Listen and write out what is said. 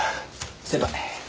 先輩。